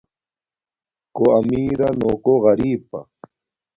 کݸ امݵرݳ نݸ کݸ غرݵپݳ.